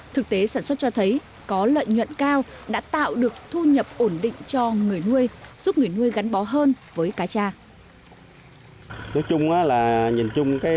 thực tế sản xuất cho thấy có lợi nhuận cao đã tạo được thu nhập ổn định cho người nuôi giúp người nuôi gắn bó hơn với cá cha